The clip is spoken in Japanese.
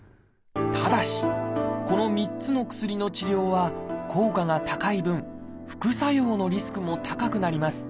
ただしこの３つの薬の治療は効果が高い分副作用のリスクも高くなります。